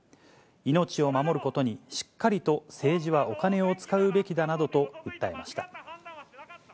命を守ることに、しっかりと政治はお金を使うべきだなどと訴えました。